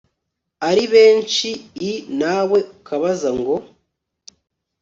ari benshi i nawe ukabaza ngo